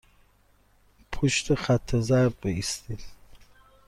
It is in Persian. پشت خط زرد بایستید.